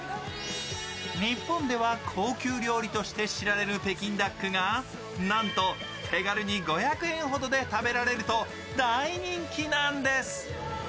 日本では高級料理として知られる北京ダックがなんと、手軽に５００円ほどで食べられると大人気なんです。